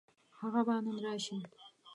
هغه به نن راشي.